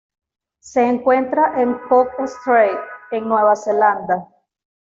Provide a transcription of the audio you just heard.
Se encuentra en Cook Strait en Nueva Zelanda.